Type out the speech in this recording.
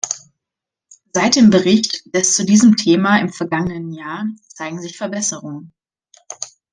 Seit dem Bericht des zu diesem Thema im vergangenen Jahr zeigen sich Verbesserungen.